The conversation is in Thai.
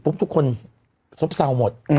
ปุ๊บทุกคนโซ่บซ่าวหมด